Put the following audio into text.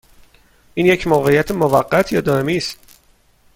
این یک موقعیت موقت یا دائمی است؟